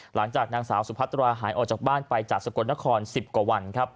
หลังจากนางสาวสุพัตราหายออกจากบ้านไปจากสกลนคร๑๐กว่าวันครับ